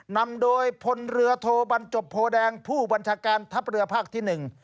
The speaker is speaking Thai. นำโดยพลเรือโทบรรจบโพแดงผู้บัญชาการทัพเรือภาคที่หนึ่ง